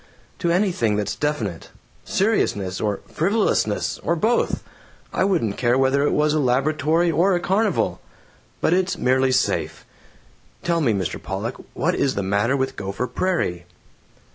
"To anything that's definite. Seriousness or frivolousness or both. I wouldn't care whether it was a laboratory or a carnival. But it's merely safe. Tell me, Mr. Pollock, what is the matter with Gopher Prairie?"